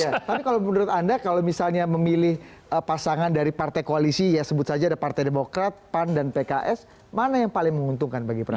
tapi kalau menurut anda kalau misalnya memilih pasangan dari partai koalisi ya sebut saja ada partai demokrat pan dan pks mana yang paling menguntungkan bagi prabowo